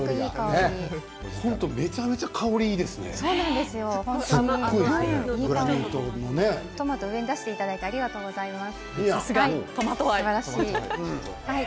めちゃめちゃ香りがトマトを上に出していただいてありがとうございます。